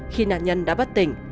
khi nạn nhân đã bất tỉnh